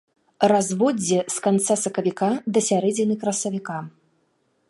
Разводдзе з канца сакавіка да сярэдзіны красавіка.